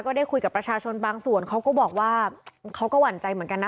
ได้คุยกับประชาชนบางส่วนเขาก็บอกว่าเขาก็หวั่นใจเหมือนกันนะ